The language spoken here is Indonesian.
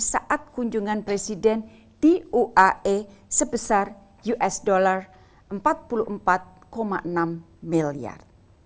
saat kunjungan presiden di uae sebesar usd empat puluh empat enam miliar